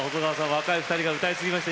若い２人が歌い継ぎました。